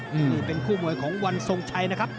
นี่เป็นคู่มวยของวันทรงชัยนะครับ